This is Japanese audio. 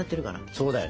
そうだよね。